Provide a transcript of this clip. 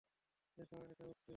দেখো এটা উড়ছে!